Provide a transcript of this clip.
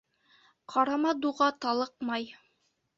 Ҡарама дуға талыҡмай.